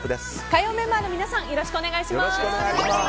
火曜メンバーの皆さんよろしくお願いします。